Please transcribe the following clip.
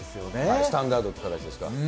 スタンダードっていう形ですか。